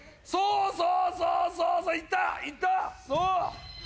そうそうそうそういったいったそう。